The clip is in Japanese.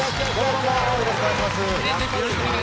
よろしくお願いします。